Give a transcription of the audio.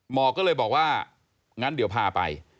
หมอก็เลยบอกว่างั้นเดี๋ยวพาไป